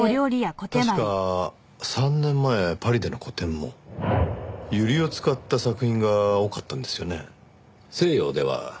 確か３年前パリでの個展もユリを使った作品が多かったんですよね。